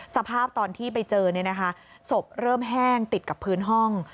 สภาพตอนที่ไปเจอศพเริ่มแห้งติดกับพื้นห้อง